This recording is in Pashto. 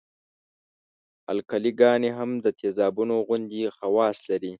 القلي ګانې هم د تیزابونو غوندې خواص لري.